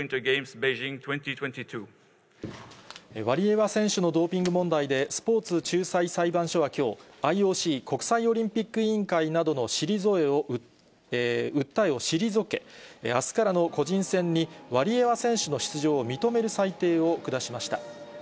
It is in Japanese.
ワリエワ選手のドーピング問題で、スポーツ仲裁裁判所はきょう、ＩＯＣ・国際オリンピック委員会などの訴えを退け、あすからの個人戦に、ワリエワ選手の出場を認める裁定を下しました。